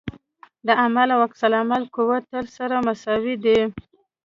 د عمل او عکس العمل قوې تل سره مساوي دي.